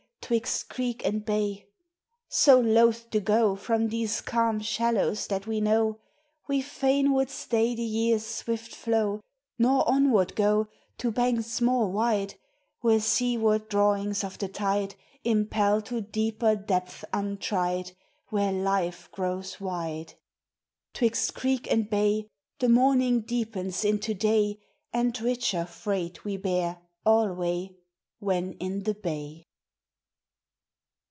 'Twixt creek and bay." So loath to go From these calm shallows that we know, We fain would stay the year's swift flow, Nor onward go To banks more wide, Where seaward drawings of the tide Impel to deeper depths untried, Where Life grows wide. 'Twixt creek and bay The morning deepens into day, And richer freight we bear, alway, When in the bay.